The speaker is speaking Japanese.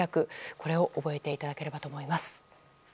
これを覚えていただければと思います。